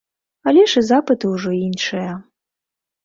Але ж і запыты ўжо іншыя.